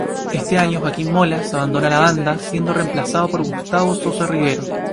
En este año Joaquín Molas abandona la banda, siendo reemplazado por Gustavo Sosa Rivero.